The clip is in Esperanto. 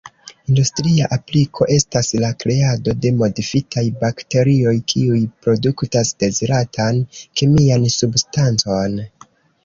Industria apliko estas la kreado de modifitaj bakterioj, kiuj produktas deziratan kemian substancon.